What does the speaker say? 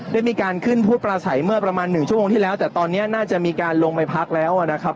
ได้มีการขึ้นพูดปลาใสเมื่อประมาณ๑ชั่วโมงที่แล้วแต่ตอนนี้น่าจะมีการลงไปพักแล้วนะครับ